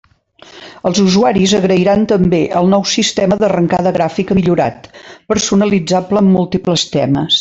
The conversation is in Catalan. Els usuaris agrairan també el nou sistema d'arrencada gràfica millorat, personalitzable amb múltiples temes.